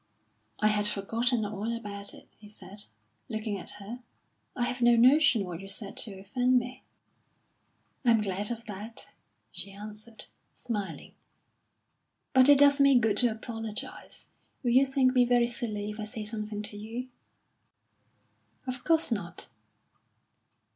"I had forgotten all about it," he said, looking at her. "I have no notion what you said to offend me." "I'm glad of that," she answered, smiling, "but it does me good to apologise. Will you think me very silly if I say something to you?" "Of course not!"